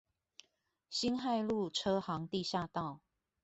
辛亥路車行地下道